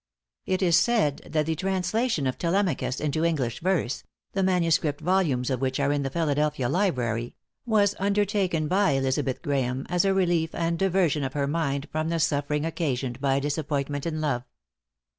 It is said that the translation of Telemachus into English verse the manuscript volumes of which are in the Philadelphia Library was undertaken by Elizabeth Graeme, as a relief and diversion of her mind from the suffering occasioned by a disappointment in love.